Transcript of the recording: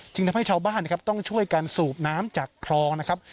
ทำให้ชาวบ้านนะครับต้องช่วยกันสูบน้ำจากคลองนะครับ